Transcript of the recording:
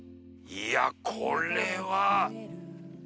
いやこれは。